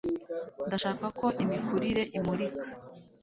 ndashaka ko imikurire imurika